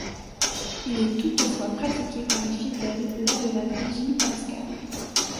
Il est toutefois pratiqué par les fidèles lors de la Vigile pascale.